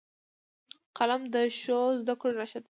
قلم د ښو زدهکړو نښه ده